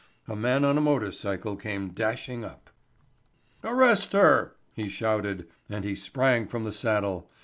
A man on a motor cycle came dashing up. "Arrest her," he shouted and he sprang from the saddle.